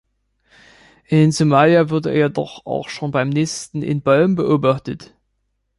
In Somalia wurde er jedoch auch schon beim Nisten in Bäumen beobachtet.